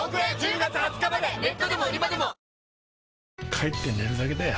帰って寝るだけだよ